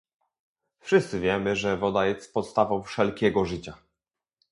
Wszyscy wiemy, że woda jest podstawą wszelkiego życia